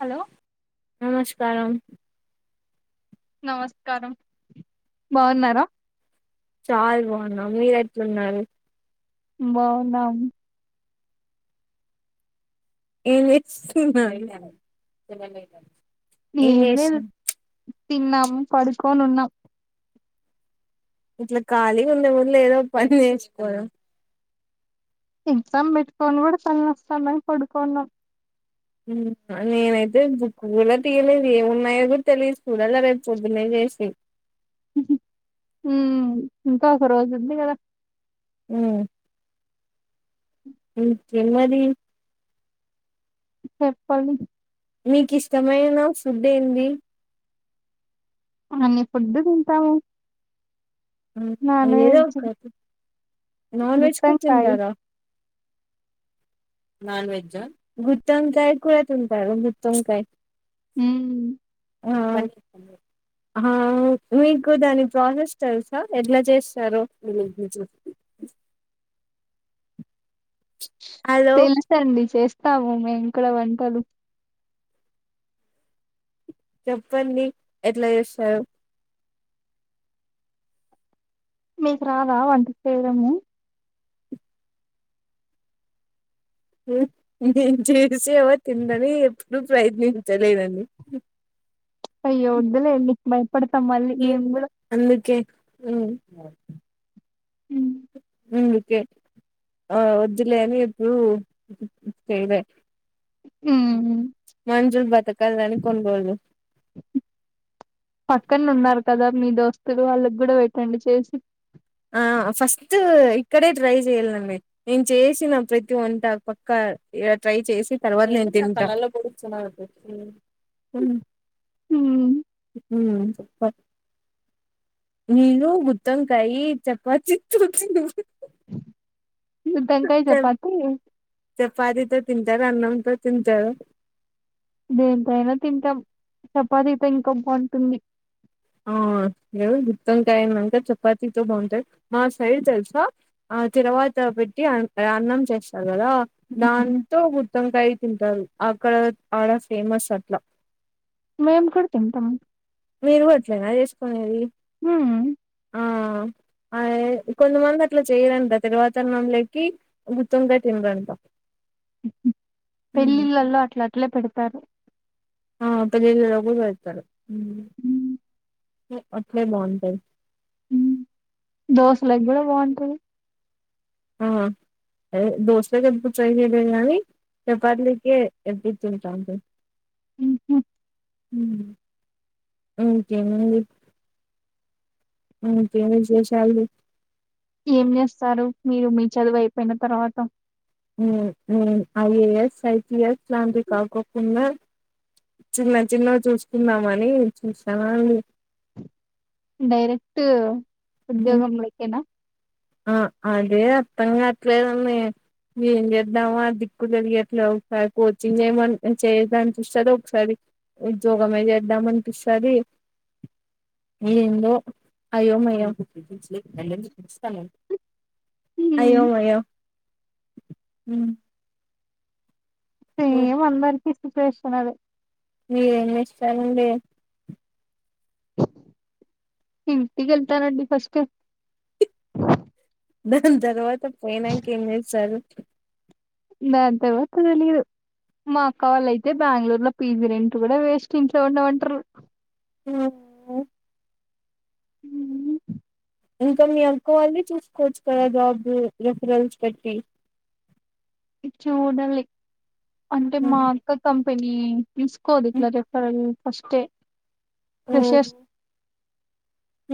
Hello నమస్కారం నమస్కారం బాగున్నారా చాయ బ మ మీరు ఎట్లున్నారు బావున్నాం ఏం ఇచ్ స్తున్నావ్ ఇంగ ఏం చేస్తాన్ తిన్నాం పడుకోనున్నాం ఇట్ల ఖాళీగా ఉండే బదులు ఏదో ఒకటి పని చేసుకో ఎగ్జామ్ పెట్టుకొని గూడ తల నొస్తందని పడుకోనున్నాం ఉం నేనైతే బుక్కు గుడా తీయలేదు ఏమి ఉన్నాయో గూడ తెలీయదు చూడాల రేపు పొద్దునే లేసి హ్మ్ మ్ ఇంకా ఒక రోజు ఉంది కదా మ్ ఇంకేం మరి చెప్పాలి నీకిస్టమైన ఫుడ్ ఏంది అన్ని ఫుడ్డు తింటావు మ్ ఏదో ఒకటి నాన్ వెజ్ కూడా గుత్తొంకాయ్ తింటారా నాన్వెజ్ గుత్తోంకాయ్ కూర తింటారు గుత్తోంకాయ్ హ్మ్ ఆ అన్ అహా మీకు దాని ప్రోసెస్ తెలుసా ఎట్లా చేస్తారో హలో తెలుసండి చేస్ స్తాము మేము కూడా వంటలు చెప్పండి ఎట్లా చేస్తారు మీకు రాదా వంట చేయడము హ్మ్ ఇదేంటి రిసీవర్ కిందది డు ప్రయత్నించలేదండి బై పడతాం మళ్ళీ మేము గూడ మ్ ఉరికే అ వద్దులే అని ఎప్పుడు చెయల ఉమ్ మంచుల్ బతక కాలని కొండ్రోజులు పక్కన్న ఉన్నారు కదా మీ దోస్తులు వాళ్ళకి కూడా పెట్టండి చేసి. ఆహ్ ఆహ్ ఫస్ట్ ఇక్కడే ట్రై చేయాలనండి నేను చేసిన ప్రతి వంట పక్కగ ఇగ ట్రై చేసినా తర్వాత నేను తింటా. హ్మ్ ఉమ్. వీలు గుత్తోంకాయి చపాతి తో తినరు. గుత్తోంకాయ చపాతి. ఇది అన్నం తో తింటారు దేనితోన తింటాం చపాతితో ఇంకా బాగుంటుంది. ఆహ్ గుత్తంకాయ ఏమంటారు చపాతీతో బాగుంటాది మా సైడ్ తెలుసా ఆహ్ తర్వాత పెట్టి ఆహ్ అన్నం చేస్తారు కదా ఉమ్, దాంతో గుత్తంకాయ తింటారు అక్కడ అడ ఫేమస్ అట్లా. మేంకూడా తింటాం. మీరు కూడా ఆట్లేనా చేసుకునేది. మ్మ్ ఆ ఆ కొంతమంది అట్లా చేయరంట తిరువాతన్నంలోకి గుతోంకయ్ తినరంట పెళ్ళిళ్ళలో అట్లా ట్ల పెడతారు ఆ తొమిదినరికే లేతరు ఉమ్ అట్లే బాగుంటాది దోశ లోకి బాగుంట్ ము ఆ దోస్తలే [unintelligible] గాని ఈ తందికే ఎప్పుడు తింటుంటే ఇకేమడి ఇకే విశేషాలుది ఏం చేస్తారు మీరు మీ చదువు అయిపోయిన తర్వాత మ్మ్ మ్మ్మ్మ్ I A S I P S ఇలాంది కాకుకున్న చిన్న చిన్నవి చూసుకుందామని చూసాన అండి డైరెక్ట్ ఉద్యోగంలకేనా ఆ అదే అర్థంగా కావట్లేదని ఏం చేద్దామ ఆ దిక్కు తరిగట్లే ఒకసారి కోచింగ్ చేయమని చేయద్ద అనిపిస్తుంది ఒకసారి ఉద్యోగమే చేద్దామ అనిపిస్తుంది ఏందో అయోమయోపిస్తా ఉమ్, అయ్యోమయో ఉమ్ మేం అందరి కిస్త్ ప్రేశునాదే ఎం చేస్తా నుండే ఇంటికి వెళ్తానండి ఫస్ట్ దాని తర్వాత పోయినాక ఏం చేస్తారు దాని తర్వాత తెలియదు మా అక్క వాళ్ళ అయితే బెంగళూరు లో పీజీ రెట్ కూడా వేస్ట్ ఇంట్లో ఉండమంటారు ఆ మ్మ్ ఇంకా మీ అక్క వాళ్ళని చూస్త కొచ [unintelligible] జాబ్ రెఫరల్స్ పెట్టి చూడాలి అంటే మా హ్మ్. అక్క త పని ఇస్కోది హ్మ్. ఇట్లా చెప్పేరేం అస్తే ఫ్రెషస్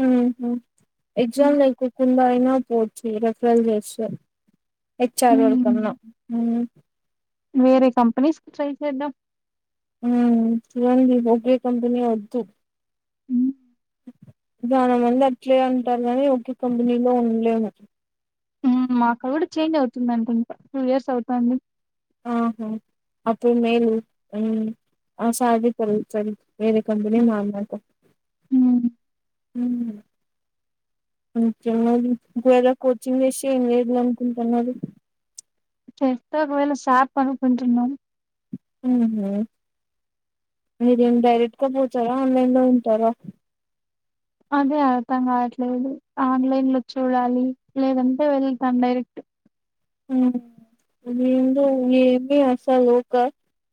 ఆహ ఎగ్జామ్ లేకోకుండా అయినా పోవచ్చు రెఫరల్ చేస్తే. హెచ్చారు వాళ్ళు కొనను మ్మ్. ఊమ్ వేరే కంపనీస్ కి ట్రై చేద్దాం. ఉ చరం ఒబరి కంపెనీ వద్దు మ్మ్. చాలా మంది అట్లే ఉంటారు కాని ఒకే కంపెనీలో ఉండలేము ఊమ్ మా అక్క కూడా చేంజ్ అవుతుంది అనుకుంటా టూ ఇయర్స్ అవుతుంది. ఆహా అప్పుడు మేలు ఉం ఆ సార్ దగ్గర కూర్చొని వేరే కంపెనీ మారీనాక మ్మ్. ఉమ్ [unintelligible] జాలీ ఒక వేళ కోచింగ్ చేస్తే ఏం చేయాల అనుకుంటున్నారు. టెట్ ఒక వేల షాప్ అనుకుంటున్నాం. హ మీరేం డైరెక్ట్గా పోతారా ఆన్లైన్ లో ఉంటారా అదే అర్థం కావట్లేదు ఆన్లైన్ లో చూడాలి లేదంటే వెళ్తాను డైరెక్ట్ ముందు ఏమి అసలు ఒక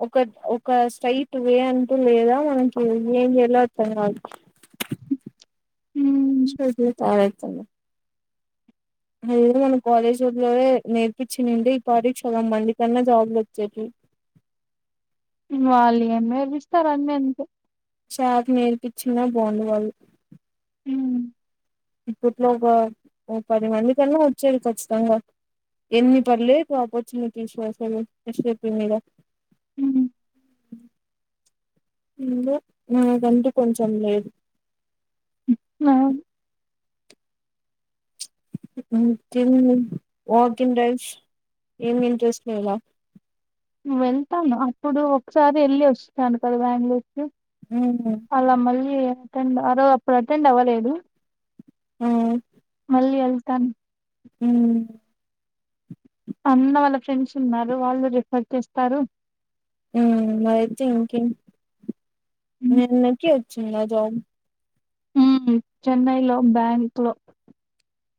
ఒక ఒక స్ట్రైట్ వే అంటూ లేదా మనకి ఏం చేయాలస్తున్నా మ్మ్. సజతత అదేదో మన కాలేజ్ రూంలోనే నేర్పు ఇపచ్చి నుండే ఈ వారి చాలా మంది కన్నా జాబులు వచ్చాయి వాళ్ళేమి నేర్పిస్తారు అన్నీ అంతే చాక్ నేర్పించిన బాండ్ వాళ్ళు మ్మ్. ఇప్పట్లో ఒకఓ పది మంది కన్నా వచ్చాది ఖచ్చితంగా ఎన్ని పర్లే కాపో చిన్న [unintelligible] మీద ఊమ్ ఇల్లు నాకంటూ కొంచం లేదు. మ్మ్. [unintelligible] తినను వాకి ఇన్ డ్రైవ్స్ ఏం అవును. ఇంట్రెస్ట్లా వెళ్తాను అప్పుడు ఒక్కసారి వెళ్ళి వస్తాను కదా బెంగళూరు మ్మ్ అలామల్లి [unintelligible] అటెండ్ అరో అప్పుడు అటెండ్ అవ్వలేదు ఆ మళ్ళీ వెల్తాను ఊ అన్న వాళ్ళ ఫ్రెండ్స్ ఉన్నారు వాళ్ళు రిఫర్ చేస్తారు ఊ అయితే ఇంకేం మీ హ్మ్ అన్నకు వచ్చిందా జాబ్ ఉమ్మ్ చెన్నైలో బ్యాంకులో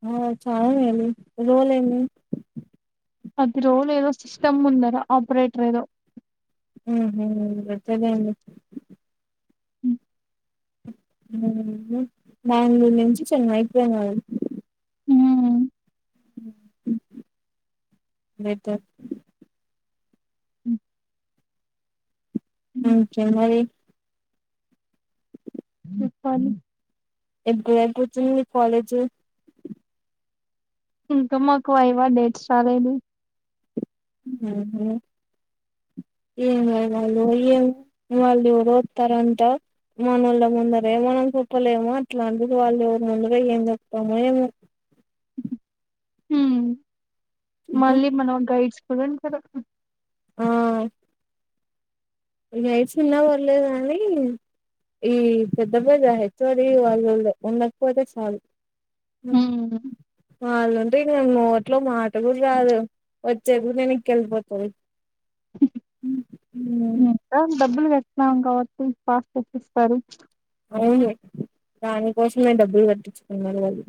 ఆ చాయ్ లూ ఎన్ని రోలు ఏన్నీ పది రోజులు ఏదో సిస్టమ్ ముందర ఆపరేటర్ ఏదో ఉ ఊ వదిలేన్డి [unintelligible] బెంగళూరు నుంచి చెన్నైకి పోయినారు. హ్మ్ లెటర్ ఆ కెమెరి ము ప్పని [unintelligible] కూర్చునుంది కాలేజ్ చె ఇంకా మాకు యావా డేట్ రాలేదు ఉమ్ హు ఏం వాళ్ళు ఏం వాళ్ళు ఎవరు వస్తారంట మన వాళ్ళ ముందరే మనం చెప్పలేమో అట్లాంటిది వాళ్ళు ఎవరు ముందరే ఏం చెప్తామో ఏమో హ్మ్ ఇంకా మళ్ళీ మనం గైడ్స్ [unintelligible] ఆ [unintelligible] ఉన్న వర్లేదు కాని ఈ పెద్ద పెద్ద హెచ్ ఓ డి వాళ్ళు ఉండకపోతే చాలు హ్మ్ వాళ్లంటే నీ నోట్లో మాట కూడా రాదు వచ్చారు నేను ఇంకా వెళ్ళిపోత్ పోయే మ్ మ్మ్ ఏం డబ్బులు కట్నాం కాబట్టి పాస్ చెపిస్తారు అవును దానికోసమే డబ్బులు కట్టించుకున్నారు వాళ్ళు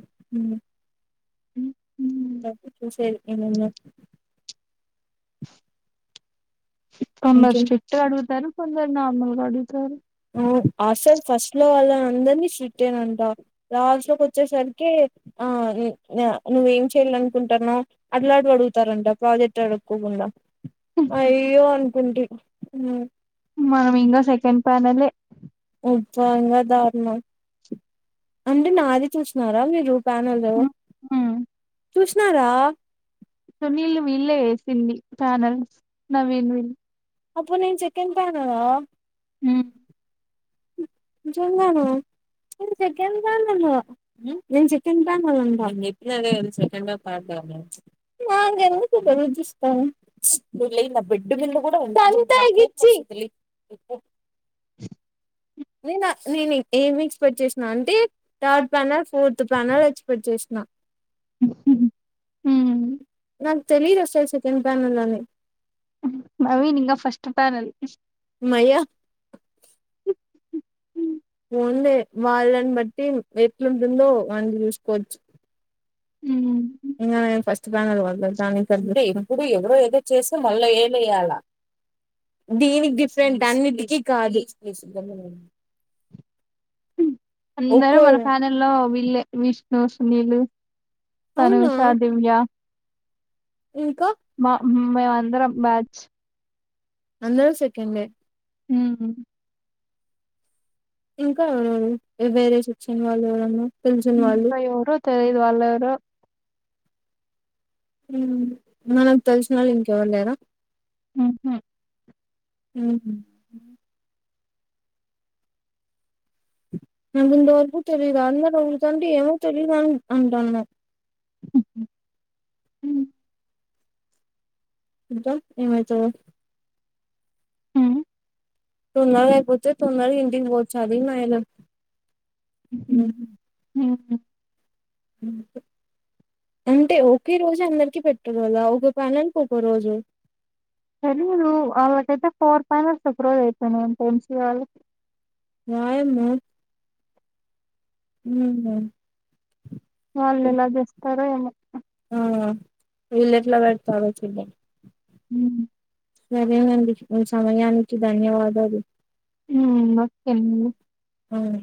హ్మ్. [unintelligible] ఏమన్నా కొందర్ ఇంకేం స్ట్రిక్ట్ గ అడుగుతారు కొందరు నార్మల్ గ అడుగుతరు ఆ అస్సల్ ఫస్ట్ లో అలా అందని సిట్ అట్టేనంట రాష కొచ్చేసాను ే ఆ నువ్వేం చెయాలనుకుంటానో అట్లాంటి అడుగుతారంట ప్రాజెక్ట్ అడుక్కోకుండా అ అయ్యో అనుకుంటి. మనం ఇంకా సెకండ్ ప్యానలే ఈ [unintelligible] దారుణం అంటే నాది చూసినారా మీరు ప్యానల్లో ఊ చూసినారా సునీల్ వీళ్ళే వేసింది ప్యానల్ నవీన్ వీళ అప్పుడు నేను సెకండ్ బ్యానర్ ఆ ఊ నేను చెప్పిన అదే కాదు సెకండ్ హా థర్డ్ హా అని నువ్వు లేయి నా బెడ్ మింద కూడా ఉంది లెయి ను పో నేను నేను ఏమి ఎక్స్పెక్ట్ చేసినా అంటే థడ్ పనల్ ఫోర్త్ కొత్త ప్యానెల్ ఎక్స్పెక్ట్ చేసిన ఉమ్. నా తెలిదు అసలు సెకండ్ బ్యానర్ అని నవీన్ ఇంకా ఫస్ట్ ప్యానెల్ మయా ఓన్లీ వాళ్ళని బట్టి ఎట్లుంటుందో వాళ చూసుకోవచ్చు ఉ ఇంగ నేను ఫస్ట్ ప్యానెల్ పోత కానీ [unintelligible] దీనికి డిఫరెంట్ తన్నీటికి కాలీ అందరు మన ఫ్యాని లో ఇల్లే విష్ణు సునీలు అవునా అనూష దివ్యా ఇంకా మా మే అందర బ్యాచ్ అందరు సెకండ్ మ్మ్ ఇంకా ఎవ వేరే శక్షణ వాళ్ళు ఎవరన పెన్షన్ వాళ్ళు తెలీదు వాలు ఎవరో మనకు తెలిసిన వాళ్ళు ఇంకెవ్వరు లేరా ఉహు మ్మ్ ముందు వరకు తెలిద అన్నారుా ఉ తాండి ఏమో తెలీద అంటాన్న ఉమ్. ఏమైతదో తొందరగా అయిపోతే తొందరగా ఇంటికి పోవచ్చు అది మాయన ఉమ్. హ్మ్. అంటే ఒకే రోజు అందరికి పెట్టుకదా ఒక పలానికి ఒక రోజు వాళ్ళకైతే ఫోర్ పైనల్స్ ఒక రోజు అయిపోయినాయి అంటే యం సీ ఏ వాళ్ళకి నా యమ మ్మ్ వాళ్ళు ఎలా చేస్తారో ఏమో ఆ ఇళ్ళ ఎట్లా పెడతారో [unintelligible] మ్మ్ సరేనండి మీ సమయానికి ధన్యవాదాలు హ్మ్. ఓకే అండి. అవును